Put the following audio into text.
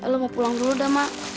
lo mau pulang dulu dah emak